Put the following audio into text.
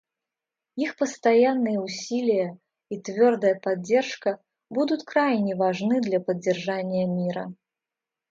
Их постоянные усилия и твердая поддержка будут крайне важны для поддержания мира.